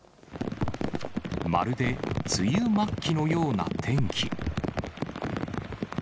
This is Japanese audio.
まるで梅雨末期のような天気。